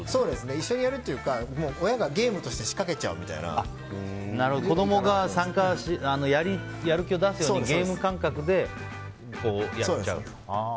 一緒にやるというか親がゲームとして子供がやる気を出すようにゲーム感覚でやっちゃうと。